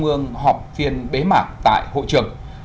đồng chí báo chí phiên bế mạc của hội nghị lần thứ chín